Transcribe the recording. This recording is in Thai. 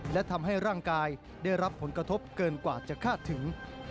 และทำให้ร่างกายได้รับผลกระทบเกินกว่าจะคาดถึง